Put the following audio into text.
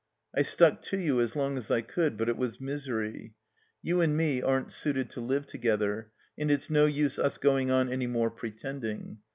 I stuck to you as long as I could, but it was misery. You and me aren't suited to live together, and it's no use us going on any more pretending.